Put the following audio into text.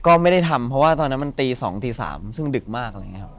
ก็ไม่ได้ทำเพราะว่าตอนนั้นมันตี๒ตี๓ซึ่งดึกมาก